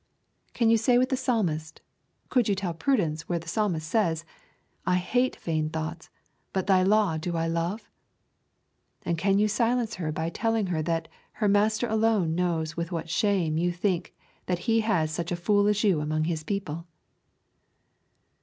Can you say with the Psalmist, could you tell Prudence where the Psalmist says, I hate vain thoughts, but Thy law do I love? And can you silence her by telling her that her Master alone knows with what shame you think that He has such a fool as you are among His people?